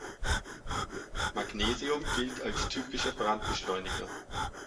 Magnesium gilt als ein typischer Brandbeschleuniger.